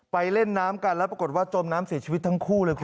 เล่นน้ำกันแล้วปรากฏว่าจมน้ำเสียชีวิตทั้งคู่เลยคุณ